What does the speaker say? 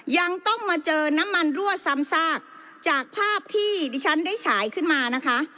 ยังต้องมาเจอน้ำมันรั่วซ้ำซากจากภาพที่ดิฉันได้ฉายขึ้นมานะคะ